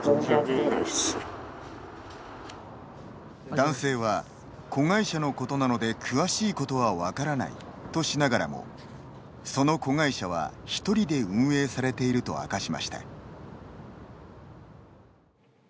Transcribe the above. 男性は「子会社のことなので詳しいことは分からない」としながらもその子会社は、１人で運営されていると明かしました。